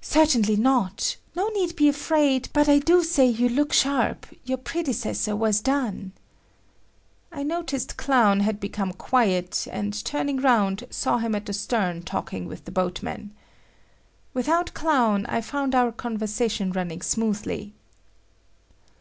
"Certainly not. No need be afraid, but I do say you look sharp; your predecessor was done." I noticed Clown had become quiet, and turning round, saw him at the stern talking with the boatman. Without Clown, I found our conversation running smoothly.